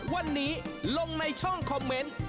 วันนี้ลงในช่องคอมเมนต์